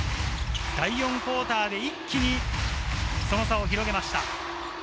第４クオーターで一気にその差を広げました。